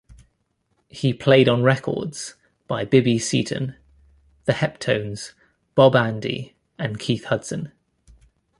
He played on records by Bibi Seaton, The Heptones, Bob Andy and Keith Hudson.